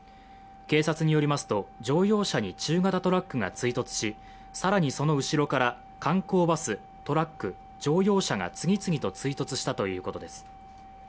警察によりますと、乗用車に中型トラックが追突し更に、その後ろから観光バス、トラック、乗用車が次々と追突したということです。